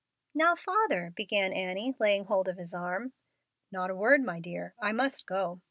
"Now, father " began Annie, laying hold of his arm. "Not a word, my dear; I must go."